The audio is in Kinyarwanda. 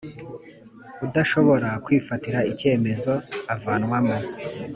udashobora kwifatira icyemezo avanwamo.